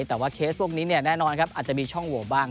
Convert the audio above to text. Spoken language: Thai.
แต่ว่าเคสพวกนี้แน่นอนครับอาจจะมีช่องโหวบ้าง